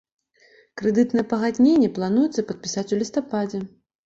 Крэдытнае пагадненне плануецца падпісаць у лістападзе.